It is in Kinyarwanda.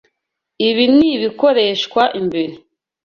Ibi nibikoreshwa imbere.